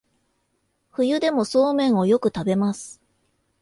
冬でもそうめんをよく食べます